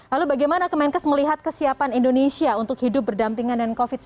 lalu bagaimana kemenkes melihat kesiapan indonesia untuk hidup berdampingan dengan covid sembilan belas